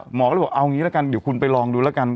หมอก็เลยบอกเอางี้ละกันเดี๋ยวคุณไปลองดูแล้วกัน